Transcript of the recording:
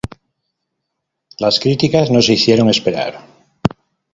Las críticas no se hicieron esperar.